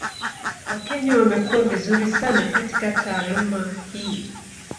Wakenya wamekuwa vizuri sana katika taaluma hii.